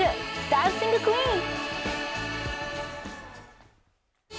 ダンシング・クイーン！